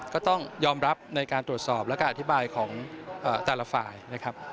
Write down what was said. ก็ต้องยอมรับในการตรวจสอบและการอธิบายของแต่ละฝ่ายนะครับ